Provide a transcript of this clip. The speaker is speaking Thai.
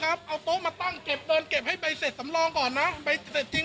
คุณบอกว่าคุณจะแจกเยียวยา